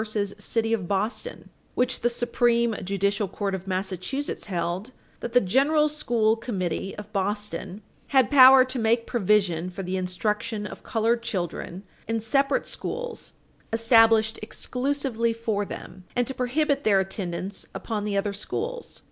City of Boston, 5 Cush. 19, in which the Supreme Judicial Court of Massachusetts held that the general school committee of Boston had power to make provision for the instruction of colored children in separate schools established exclusively for them, and to prohibit their attendance upon the other schools.